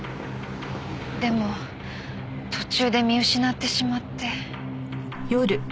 でも途中で見失ってしまって。